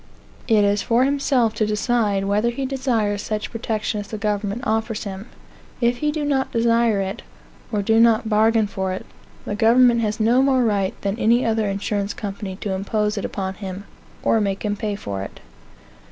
It is for himself to decide whether he desires such protection as the government offers him. If he do not desire it, or do not bargain for it, the government has no more right than any other insurance company to impose it upon him, or make him pay for it.